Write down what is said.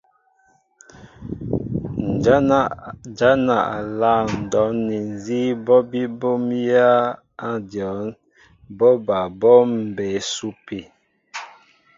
Njana a nláaŋ ndɔn na nzi ɓɔɓi ɓomya a dyɔnn, ɓɔ ɓaa ɓom a mbé supi.